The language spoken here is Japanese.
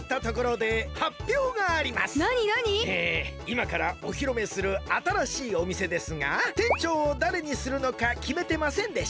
いまからおひろめするあたらしいおみせですが店長をだれにするのかきめてませんでした。